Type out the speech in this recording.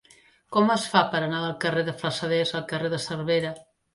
Com es fa per anar del carrer de Flassaders al carrer de Cervera?